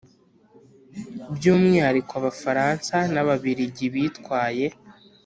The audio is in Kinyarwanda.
By umwihariko abafaransa n ababirigi bitwaye